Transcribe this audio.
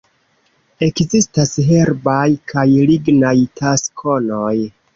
Ekzistas herbaj kaj lignaj taksonoj.